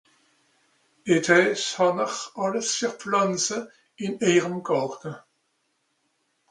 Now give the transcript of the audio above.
(...) hàn'r àlles fer Pflànze ìn èirem Gàrte ?